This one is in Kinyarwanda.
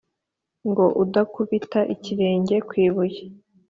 Ngo udakubita ikirenge ku ibuye.